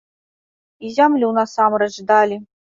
І зямлю насамрэч далі.